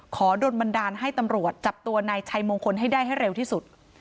ขอโดนบันดาลให้ตำรวจจับตัวนายชัยมงคลให้ได้ให้เร็วที่สุด